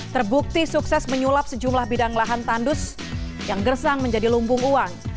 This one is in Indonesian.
terbukti sukses menyulap sejumlah bidang lahan tandus yang gersang menjadi lumbung uang